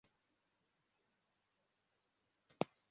Bamwe mu bakinnyi ba Caucase baruhukira mu kibuga